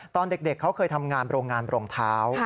ตอนเด็กเขาเคยทำงานโรงงานรองเท้า